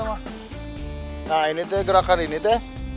nah ini tuh gerakan ini tuh